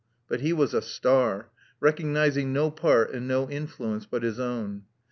But he was a star," recognizing no part and no influence but his own.